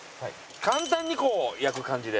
簡単に焼く感じで。